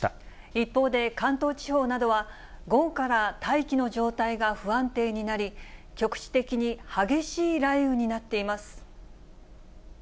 一方で、関東地方などは午後から大気の状態が不安定になり、局地的に激しい雷雨になっています。